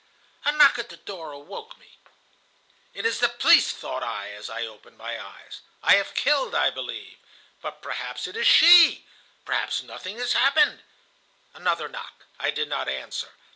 "A knock at the door awoke me. "'It is the police,' thought I, as I opened my eyes. 'I have killed, I believe. But perhaps it is she; perhaps nothing has happened.' "Another knock. I did not answer.